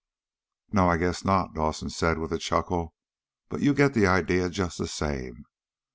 "No, I guess not," Dawson said with a chuckle. "But you get the idea just the same.